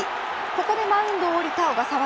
ここでマウンドを降りた小笠原。